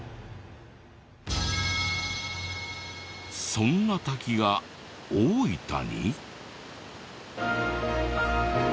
そんな滝が大分に？